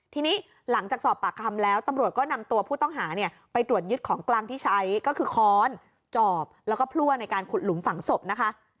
ทีนี้หลังจากสอบปากคำแล้วตำรวจก็นำตัวผู้ต้องหาเนี่ยไปตรวจยึดของกลางที่ใช้ก็คือค้อนจอบแล้วก็พลั่วในการขุดหลุมฝังศพนะคะ